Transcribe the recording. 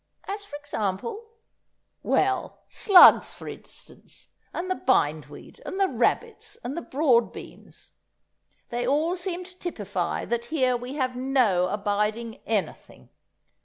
"As for example——?" "Well, slugs, for instance, and the bindweed, and the rabbits, and the broad beans. They all seem to typify that here we have no abiding anything."